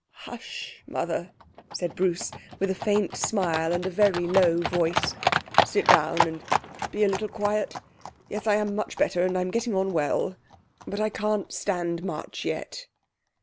'Hush, Mother,' said Bruce, with a faint smile, and in a very low voice. 'Sit down, and be a little quiet. Yes, I'm much better, and getting on well; but I can't stand much yet.'